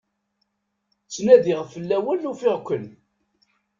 Ttnadiɣ fell-awen, ufiɣ-ken.